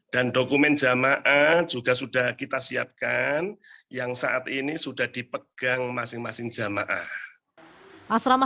dan dokumen jamaah juga sudah kita siapkan yang saat ini sudah dipegang masing masing jamaah asrama